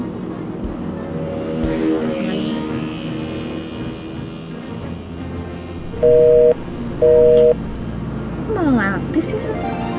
kok malah ga aktif sih so